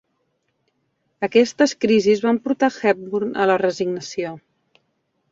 Aquestes crisis van portar Hepburn a la resignació.